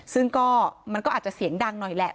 ซึ่งก็มันก็อาจจะเสียงดังหน่อยแหละ